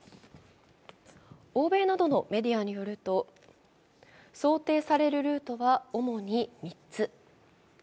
欧米などのメディアによると、想定されるルートは主に３つ。